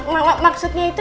mas maksudnya itu